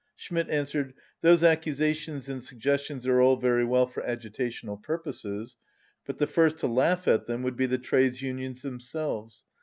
Schmidt answered: "Those accusations and suggestions are all very well for agitational pur poses, but the first to laugh at them would be the trades unions themselves.